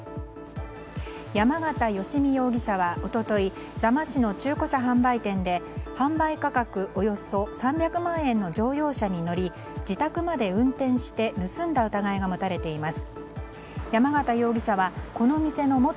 山形嘉容疑者は一昨日座間市の中古車販売店で販売価格およそ３００万円の乗用車に乗り自宅まで運転して盗んだ疑いが持たれています。